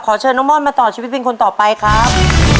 เชิญน้องม่อนมาต่อชีวิตเป็นคนต่อไปครับ